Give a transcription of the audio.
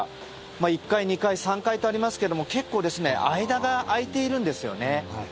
１階、２階、３階とありますけど結構間が空いているんですよね。